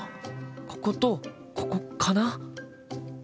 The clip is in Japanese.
こことここかな？